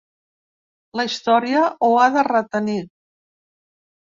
La història ho ha de retenir.